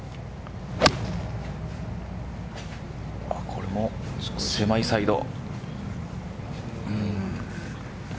これも狭いサイド。